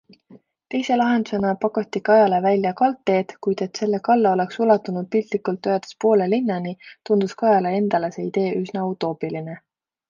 Teise lahendusena pakuti Kajale välja kaldteed, kuid et selle kalle oleks ulatunud piltlikult öeldes poole linnani, tundus Kajale endale see idee üsna utoopiline.